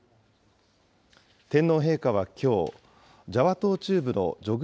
天皇陛下はきょう、ジャワ島中部のジョグ